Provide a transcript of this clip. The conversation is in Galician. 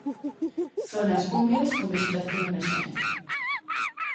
Zonas húmidas con vexetación emerxente.